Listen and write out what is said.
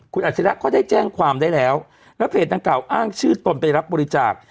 คุณอาชิระก็ได้แจ้งความได้แล้วแล้วเพจดังกล่าอ้างชื่อตนไปรับบริจาค